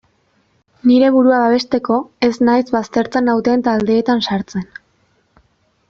Nire burua babesteko ez naiz baztertzen nauten taldeetan sartzen.